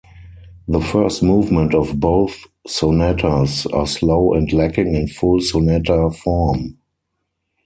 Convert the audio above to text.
The first movement of both sonatas are slow and lacking in full sonata form.